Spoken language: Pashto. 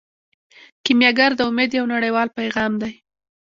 کیمیاګر د امید یو نړیوال پیغام دی.